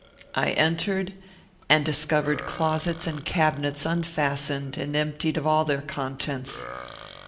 I entered, and discovered closets and cabinets unfastened and emptied of all their contents.